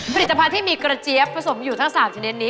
ผลิตภัณฑ์ที่มีกระเจี๊ยบผสมอยู่ทั้ง๓ชนิดนี้